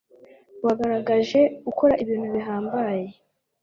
wagaragaje ukora ibintu bihambaye